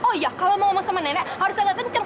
oh ya kalau mau ngomong sama nenek harus agak kencer